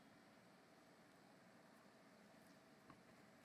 C’est pour vous que je dis cela, monsieur Kiril.